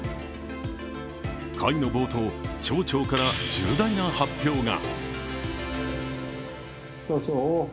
会の冒頭、町長から重大な発表が。